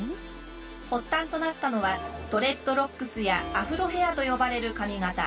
発端となったのはドレッドロックスやアフロヘアと呼ばれる髪型。